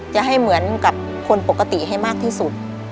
จะให้เหมือนกับคนปกติให้มากที่สุด